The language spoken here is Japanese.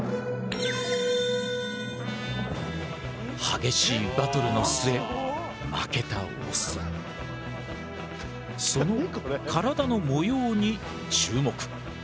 激しいバトルの末負けたオスその体の模様に注目。